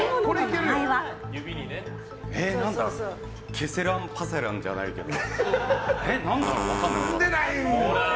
ケセランパサランじゃないけど。